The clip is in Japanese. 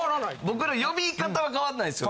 僕ら呼び方は変わんないですよ。